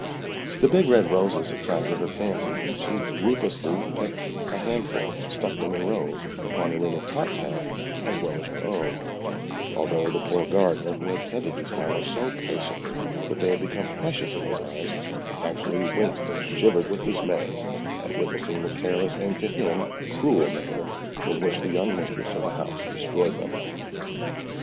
The big red roses attracted her fancy, and she ruthlessly plucked a handful and stuck them in rows around the rim of Tot's hat as well as her own, although the poor gardener, who had tended these flowers so patiently that they had become precious in his eyes, actually winced and shivered with dismay at witnessing the careless and, to him, cruel manner in which the young mistress of the house destroyed them.